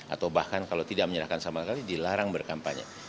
atau bahkan kalau tidak menyerahkan sama sekali dilarang berkampanye